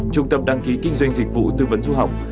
trung tâm đăng ký kinh doanh dịch vụ tư vấn du học